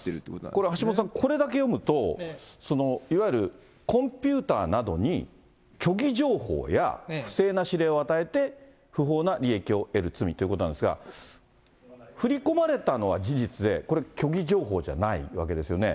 これ橋下さんね、これだけ読むと、いわゆるコンピューターなどに、虚偽情報や不正な指令を与えて、不法な利益を得る罪ということなんですが、振り込まれたのは事実で、これ、虚偽情報じゃないわけですよね。